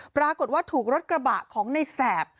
ปรากฏว่าถูกรถกระบะของในแสบ